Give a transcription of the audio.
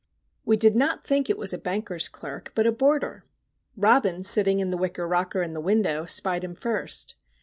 We did not think it was a Banker's Clerk, but a Boarder! Robin, sitting in the wicker rocker in the window, spied him first.